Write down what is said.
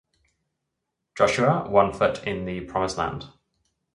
Joshua, One Foot in the Promised Land: